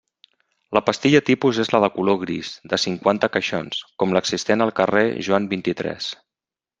La pastilla tipus és la de color gris, de cinquanta caixons, com l'existent al carrer Joan vint-i-tres.